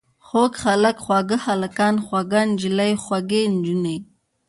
خوږ هلک، خواږه هلکان، خوږه نجلۍ، خوږې نجونې.